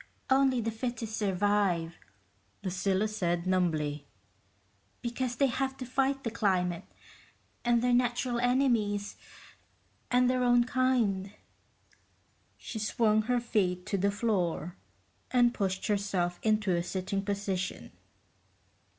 "Only the fittest survive," Lucilla said numbly. "Because they have to fight the climate ... and their natural enemies ... and their own kind." She swung her feet to the floor and pushed herself into a sitting position.